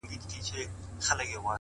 مړ مه سې. د بل ژوند د باب وخت ته.